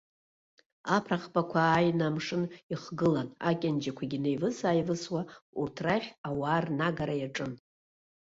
Аԥра ӷбақәа ааины амшын ихгылан, аканџьақәа неивыс-ааивысуа урҭ рахь ауаа рнагара иаҿын.